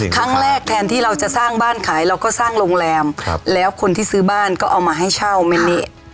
แทนที่เราจะสร้างบ้านขายเราก็สร้างโรงแรมแล้วคนที่ซื้อบ้านก็เอามาให้เช่าเมนนี้